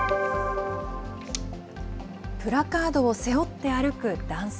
プラカードを背負って歩く男性。